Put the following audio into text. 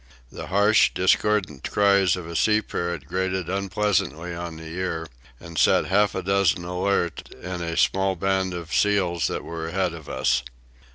The harsh, discordant cries of a sea parrot grated unpleasantly on the ear, and set half a dozen alert in a small band of seals that were ahead of us.